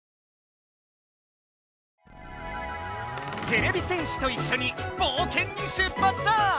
てれび戦士といっしょにぼうけんに出発だ！